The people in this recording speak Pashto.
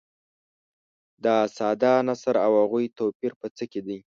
د ساده نثر او هغوي توپیر په څه کې دي.